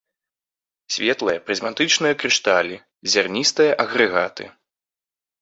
Светлыя прызматычныя крышталі, зярністыя агрэгаты.